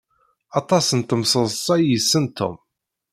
Aṭas n temseḍṣa i yessen Yidir.